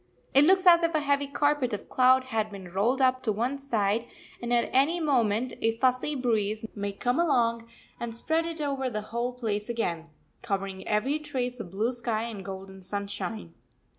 It looks as if a heavy carpet of cloud had been rolled up to one side, and at any moment a fussy breeze may come along and spread it over the whole place again, covering every trace of blue sky and golden sunshine.